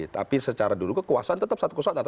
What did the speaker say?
tapi secara dulu kekuasaan tetap satu kekuasaan